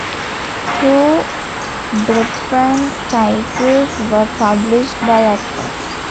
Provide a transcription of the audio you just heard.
Two brethren titles were published by Atlas.